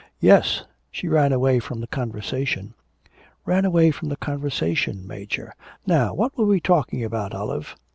'Yes; she ran away from the conversation.' 'Ran away from the conversation, Major! Now what were we talking about, Olive?'